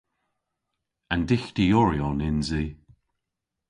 An dyghtyoryon yns i.